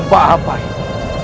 kau akan menang